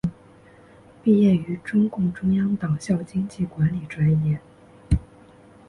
毕业于中共中央党校经济管理专业。